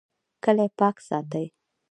کلی پاک ساتئ